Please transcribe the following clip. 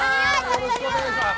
よろしくお願いします。